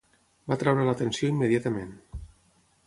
Va atreure l'atenció immediatament.